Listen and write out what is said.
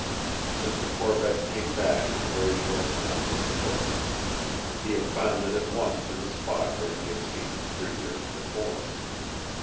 Mr. Corbeck came back in a very short time with the book; he had found it at once in the spot where he had seen it three years before.